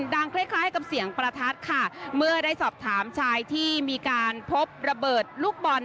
คล้ายคล้ายกับเสียงประทัดค่ะเมื่อได้สอบถามชายที่มีการพบระเบิดลูกบอล